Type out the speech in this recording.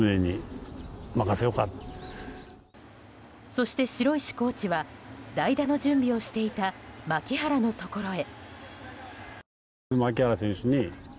そして、城石コーチは代打の準備をしていた牧原のところへ。